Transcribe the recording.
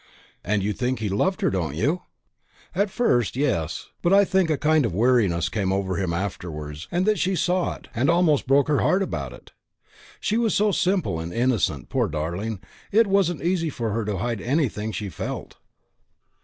"And you think he loved her, don't you?" "At first, yes; but I think a kind of weariness came over him afterwards, and that she saw it, and almost broke her heart about it. She was so simple and innocent, poor darling, it wasn't easy for her to hide anything she felt."